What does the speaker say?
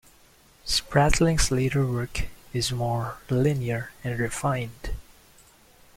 Spratling's later work is more linear and refined.